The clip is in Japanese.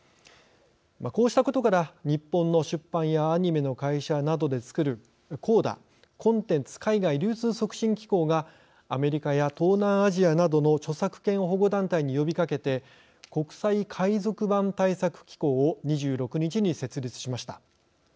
こうしたことから日本の出版やアニメの会社などでつくる、ＣＯＤＡ＝コンテンツ海外流通促進機構がアメリカや東南アジアなどの著作権保護団体に呼びかけて国際海賊版対策機構を２６日に設立しました。